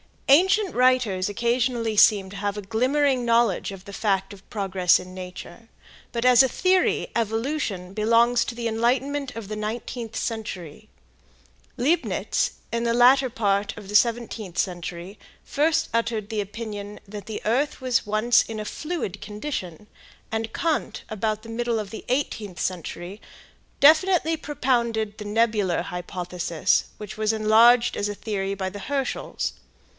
Ancient writers occasionally seemed to have a glimmering knowledge of the fact of progress in nature, but as a theory "evolution" belongs to the enlightenment of the nineteenth century. Leibnitz, in the latter part of the seventeenth century first uttered the opinion that the earth was once in a fluid condition and Kant about the middle of the eighteenth century, definitely propounded the nebular hypothesis, which was enlarged as a theory by the Herschels.